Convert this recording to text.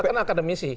dpr itu kan dinamikasi